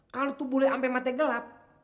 kalau tuh bule sampai mati gelap